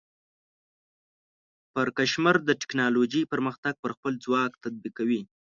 پرکمشر د ټیکنالوجۍ پرمختګ پر خپل ځواک تطبیق کوي.